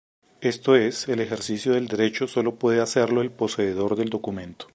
Esto es, el ejercicio del derecho sólo puede hacerlo el poseedor del documento.